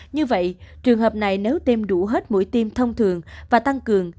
như vậy trường hợp này nếu tiêm đủ hết mũi tiêm thông thường và tăng cường